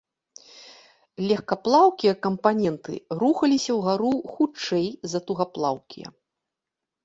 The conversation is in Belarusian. Легкаплаўкія кампаненты рухаліся ўгару хутчэй за тугаплаўкія.